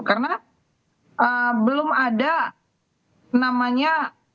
karena belum ada namanya